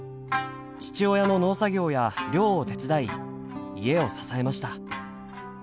父親の農作業や漁を手伝い家を支えました。